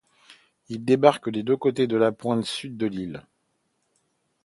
Ils débarquent des deux côtés de la pointe sud de l'île.